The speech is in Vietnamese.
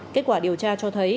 kết quả điều tra cho thấy